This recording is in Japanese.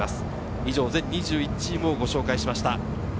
以上、全２１チームをご紹介しました。